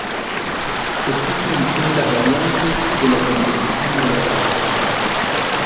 Existen distintas variantes de la competición de laberinto.